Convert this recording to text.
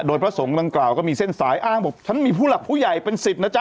โดยพระสงฆ์ดังกล่าวก็มีเส้นสายอ้างบอกฉันมีผู้หลักผู้ใหญ่เป็นสิทธิ์นะจ๊